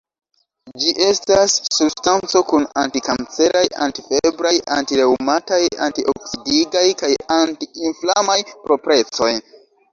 Ĝi estas substanco kun anti-kanceraj, anti-febraj, anti-reŭmataj, anti-oksidigaj kaj anti-inflamaj proprecoj.